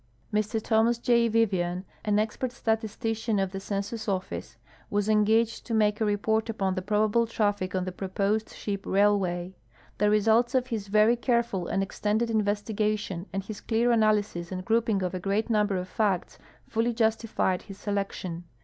Mr Thomas J. Vivian, an expert statistician of the Census Office, was engaged to make a report upon the probable traffic on the proposed ship railway. The results of his very careful and ex tended investigation and his clear analysis and groujnng of a great number of facts fully justified his selection.